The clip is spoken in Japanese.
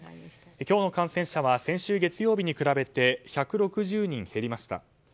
今日の感染者は先週月曜日に比べて１６０人減りました。